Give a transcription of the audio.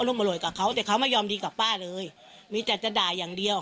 อร่วยกับเขาแต่เขาไม่ยอมดีกับป้าเลยมีแต่จะด่าอย่างเดียว